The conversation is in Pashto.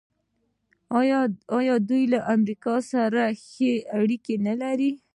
آیا دوی له امریکا سره ښې اړیکې نلري؟